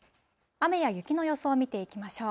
雨や雪の予想を見ていきましょう。